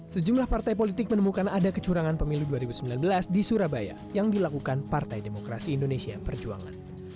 sejumlah partai politik menemukan ada kecurangan pemilu dua ribu sembilan belas di surabaya yang dilakukan partai demokrasi indonesia perjuangan